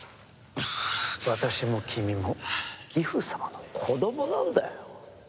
私も君もギフ様の子供なんだよ。